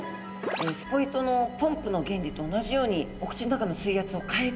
スポイトのポンプの原理と同じようにお口の中の水圧を変えて吸い込んでるようです。